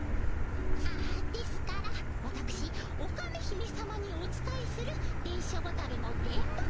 あっですからわたくしオカメ姫さまにお仕えする電書ボタルの電ボ子にございます。